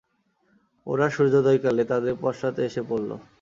ওরা সূর্যোদয়কালে তাদের পশ্চাতে এসে পড়ল।